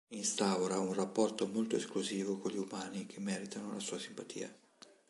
Instaura un rapporto molto esclusivo con gli umani che meritano la sua simpatia.